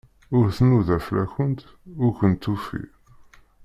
Ur tnuda fell-akent, ur kent-tufi.